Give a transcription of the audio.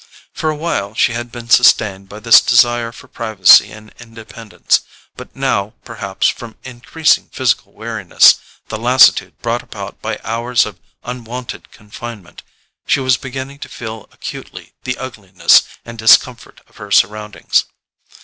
For a while she had been sustained by this desire for privacy and independence; but now, perhaps from increasing physical weariness, the lassitude brought about by hours of unwonted confinement, she was beginning to feel acutely the ugliness and discomfort of her surroundings.